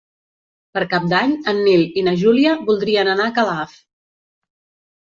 Per Cap d'Any en Nil i na Júlia voldrien anar a Calaf.